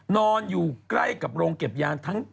นอนอยู่ใกล้กับโรงเก็บยานทั้ง